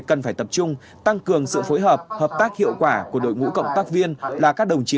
cần phải tập trung tăng cường sự phối hợp hợp tác hiệu quả của đội ngũ cộng tác viên là các đồng chí